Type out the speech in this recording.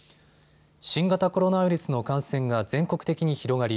新型コロナウイルスの感染が全国的に広がり